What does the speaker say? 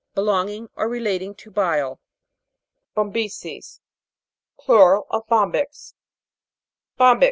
Belonging or relating to bile. BOMBY'CES. Plural of bombyx. BO'MBYX.